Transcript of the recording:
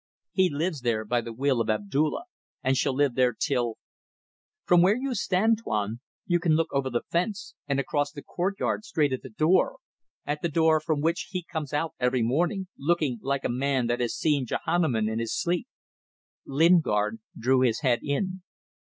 He lives there by the will of Abdulla, and shall live there till ... From where you stand, Tuan, you can look over the fence and across the courtyard straight at the door at the door from which he comes out every morning, looking like a man that had seen Jehannum in his sleep." Lingard drew his head in.